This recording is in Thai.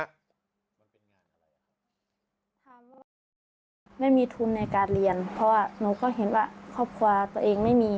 ไม่มีทุนในการเรียนเพราะว่านูก็เห็นว่าครอบครัวตัวเองไม่มี